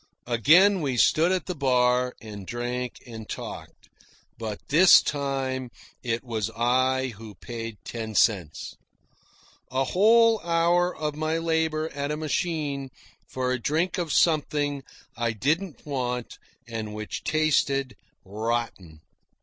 Again we stood at the bar and drank and talked, but this time it was I who paid ten cents! a whole hour of my labour at a machine for a drink of something I didn't want and which tasted rotten.